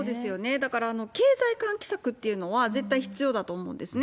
だから経済喚起策っていうのは絶対必要だと思うんですね。